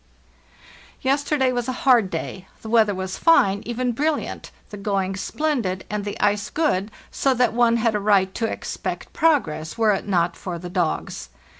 "Vesterday was a hard day. The weather was fine, even brilliant, the going splendid, and the ice good, so that one had a right to expect progress were it not for the dogs.